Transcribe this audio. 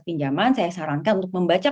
pinjaman saya sarankan untuk membaca